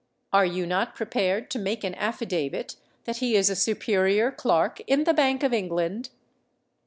Are you not prepared to make an affidavit that he is a superior clerk in the Bank of England?